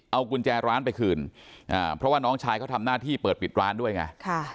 เอากุญแจร้านไปคืนเพราะว่าน้องชายเขาทำหน้าที่เปิดปิดร้านด้วยไง